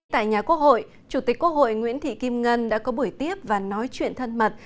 tại nhà quốc hội chủ tịch quốc hội nguyễn thị kim ngân đã có buổi tiếp và nói chuyện thân mật